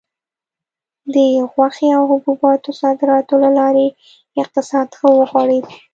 د غوښې او حبوباتو صادراتو له لارې اقتصاد ښه وغوړېد.